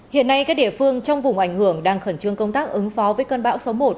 hiện nay các địa phương trong vùng ảnh hưởng đang khẩn trương công tác ứng phó với cơn bão số một